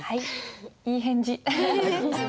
いい返事。